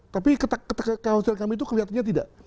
tapi kekhawatiran kami itu kelihatannya tidak